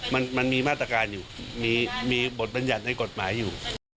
มันมีมาตรการอยู่มีบทบัญญัติในกฎหมายอยู่